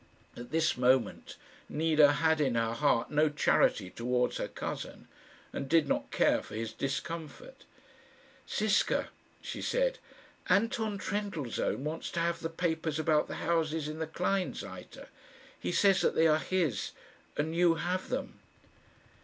At this moment Nina had in her heart no charity towards her cousin, and did not care for his discomfort. "Ziska," she said, "Anton Trendellsohn wants to have the papers about the houses in the Kleinseite. He says that they are his, and you have them."